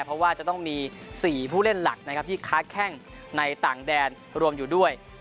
เพราะว่าจะต้องมี๔ผู้เล่นหลักนะครับที่ค้าแข้งในต่างแดนรวมอยู่ด้วย